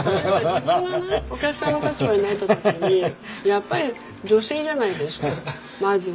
自分がねお客さんの立場になった時にやっぱり女性じゃないですかまずは。